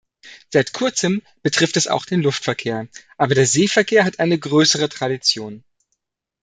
Seit kurzem betrifft das auch den Luftverkehr, aber der Seeverkehr hat eine größere Tradition.